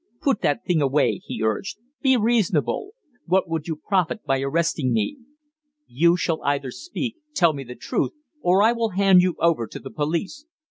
"Put that thing away," he urged. "Be reasonable. What would you profit by arresting me?" "You shall either speak tell me the truth, or I will hand you over to the police.